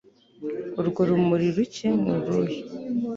Urwo rumuri rucye ni uruhe